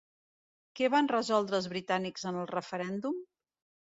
Què van resoldre els britànics en el referèndum?